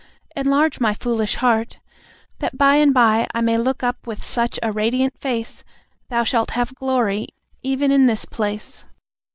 Enlarge my foolish heart, that by and by I may look up with such a radiant face Thou shalt have glory even in this place.